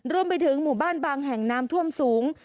รวมไปถึงหมู่บ้านบางแห่งน้ำท่วมสูง